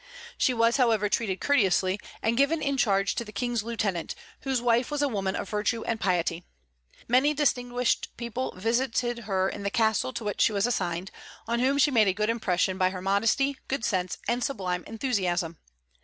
She was, however, treated courteously, and given in charge to the King's lieutenant, whose wife was a woman of virtue and piety. Many distinguished people visited her in the castle to which she was assigned, on whom she made a good impression by her modesty, good sense, and sublime enthusiasm.